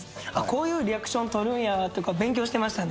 こういうリアクション取るんやとか勉強してましたね。